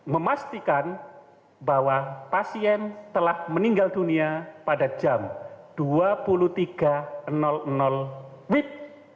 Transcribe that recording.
memastikan bahwa pasien telah meninggal dunia pada jam dua puluh dua empat puluh lima wib